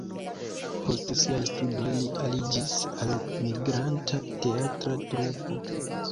Post siaj studoj li aliĝis al migranta teatra trupo.